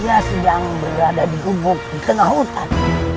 dia sedang berada di gubuk di tengah hutan